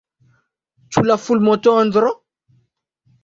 Ĉu la fulmotondro?